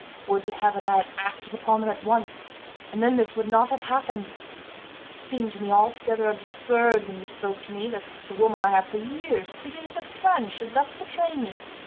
Would to Heaven I had acted upon them at once, and then this would not have happened. It seemed to me altogether absurd, when you spoke to me, that the woman I have for years treated as a friend should thus betray me.